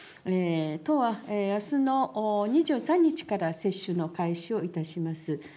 都はあすの２３日から接種の開始をいたします。